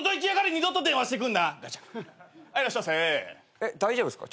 えっ大丈夫ですか？